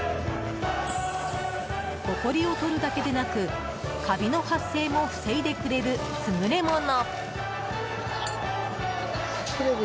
ほこりをとるだけでなくカビの発生も防いでくれる優れもの。